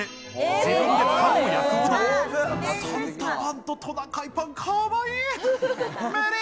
サンタパンとトナカイパン、かわいい！